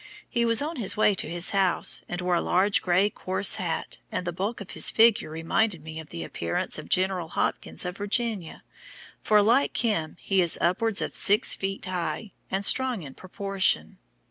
He was on his way to his house, and wore a large grey coarse hat; and the bulk of his figure reminded me of the appearance of General Hopkins of Virginia, for like him he is upwards of six feet high, and strong in proportion.